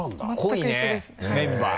濃いねメンバー。